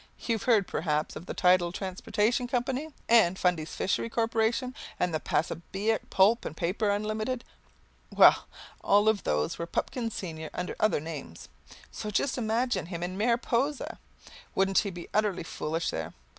You've heard perhaps of the Tidal Transportation Company, and Fundy Fisheries Corporation, and the Paspebiac Pulp and Paper Unlimited? Well, all of those were Pupkin senior under other names. So just imagine him in Mariposa! Wouldn't he be utterly foolish there?